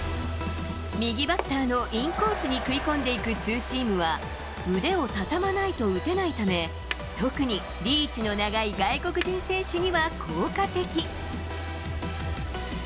右バッターのインコースに食い込んでいくツーシームは、腕を畳まないと打てないため、特にリーチの長い外国人選手には効果的。